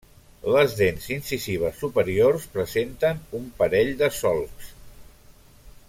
Les dents incisives superiors presenten un parell de solcs.